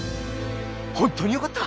本当によかった！